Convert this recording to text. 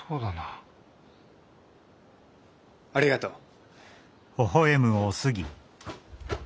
ありがとう。